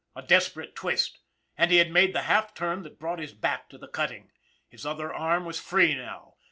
A desperate twist, and he had made the half turn that brought his back to the cutting. His other arm was free now.